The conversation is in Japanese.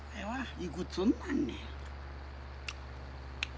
いくつんなんねや。